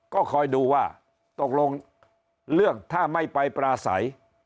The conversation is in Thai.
ก็คอยดูว่าตกลงเรื่องถ้าไม่ไปปราศัย